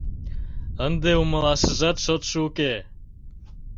Ынде умылашыжат шотшо уке.